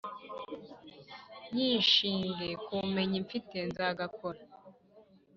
nyishinge kubumenyi mfite nzagakora